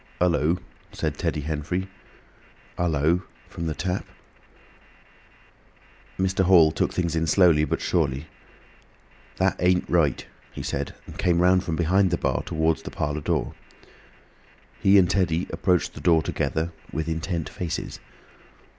"Hul lo!" said Teddy Henfrey. "Hul lo!" from the Tap. Mr. Hall took things in slowly but surely. "That ain't right," he said, and came round from behind the bar towards the parlour door. He and Teddy approached the door together, with intent faces.